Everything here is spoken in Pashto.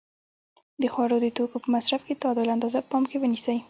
د خوړو د توکو په مصرف کې د تعادل اندازه په پام کې ونیسئ.